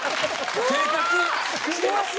生活してます？